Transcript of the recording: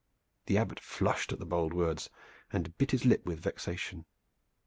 The Abbot flushed at the bold words, and bit his lip with vexation.